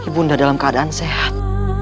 bunda dalam keadaan sehat